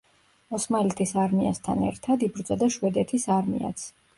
ოსმალეთის არმიასთან ერთად, იბრძოდა შვედეთის არმიაც.